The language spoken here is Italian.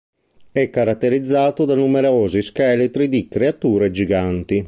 È caratterizzato da numerosi scheletri di creature giganti.